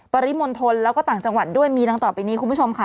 ปริมณฑลแล้วก็ต่างจังหวัดด้วยมีดังต่อไปนี้คุณผู้ชมค่ะ